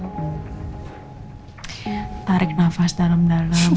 tarik nafas dalam dalam